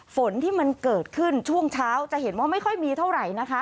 ฝนที่มันเกิดขึ้นช่วงเช้าจะเห็นว่าไม่ค่อยมีเท่าไหร่นะคะ